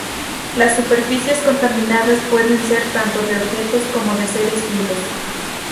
Las superficies contaminadas pueden ser tanto de objetos como de seres vivos.